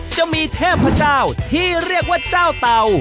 จะมีเทพเจ้าที่เรียกว่าเจ้าเตา